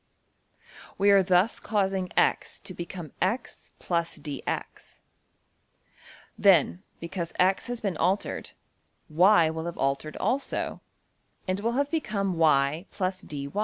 We are thus causing $x$ to become $x + dx$. Then, because $x$~has been altered, $y$~will have altered also, and will have become $y + dy$.